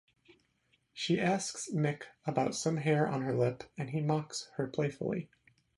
She asks Mick about some hair on her lip and he mocks her playfully.